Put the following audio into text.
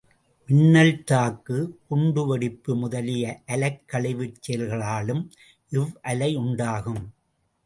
மின்னல்தாக்கு, குண்டுவெடிப்பு முதலிய அலைக்கழிவுச் செயல்களாலும் இவ்வலை உண்டாகும்.